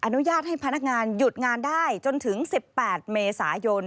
อนุญาตให้พนักงานหยุดงานได้จนถึง๑๘เมษายน